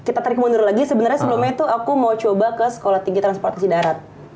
kita tarik mundur lagi sebenarnya sebelumnya itu aku mau coba ke sekolah tinggi transportasi darat